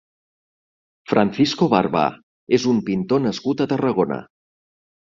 Francisco Barba és un pintor nascut a Tarragona.